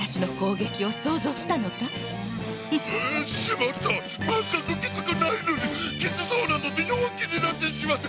まったくきつくないのに「きつそう」などとよわきになってしまった。